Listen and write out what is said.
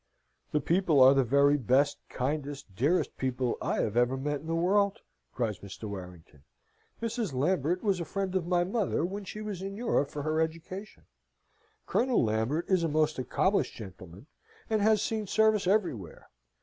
"The people are the very best, kindest, dearest people I have ever met in the world," cries Mr. Warrington. "Mrs. Lambert was a friend of my mother when she was in Europe for her education. Colonel Lambert is a most accomplished gentleman, and has seen service everywhere.